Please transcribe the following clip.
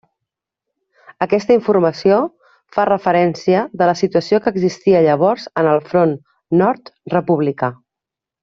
Aquesta informació fa referència de la situació que existia llavors en el Front Nord republicà.